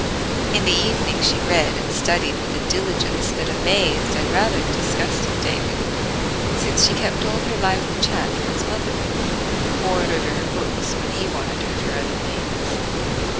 In the evening she read and studied with a diligence that amazed and rather disgusted David; since she kept all her lively chat for his mother, and pored over her books when he wanted her for other things.